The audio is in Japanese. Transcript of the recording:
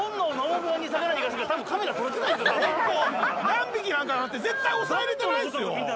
何匹かなんて絶対おさえれてないですよ